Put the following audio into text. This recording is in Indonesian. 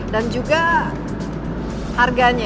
dan juga harganya